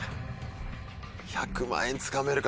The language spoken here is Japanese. １００万円つかめるか。